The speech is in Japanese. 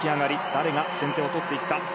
誰が先手を取っていくか。